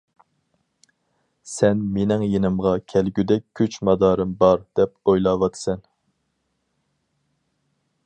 سەن مېنىڭ يېنىمغا كەلگۈدەك كۈچ-مادارىم بار دەپ ئويلاۋاتىسەن.